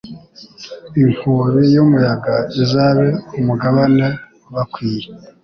Inkubi y’umuyaga izabe umugabane ubakwiye